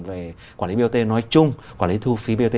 về quản lý bot nói chung quản lý thu phí bot